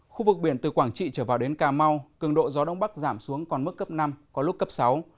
khu vực biển từ quảng trị trở vào đến cà mau cường độ gió đông bắc giảm xuống còn mức cấp năm có lúc cấp sáu